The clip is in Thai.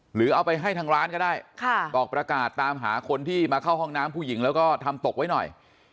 หรือเอาไปให้ทางร้านก็ได้บอกประกาศตามหาคนที่มาเข้าห้องน้ำผู้หญิงแล้วก็ทำตกไว้หน่อย